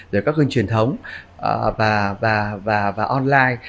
rồi các kênh truyền thống và online